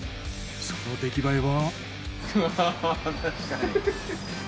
その出来栄えは。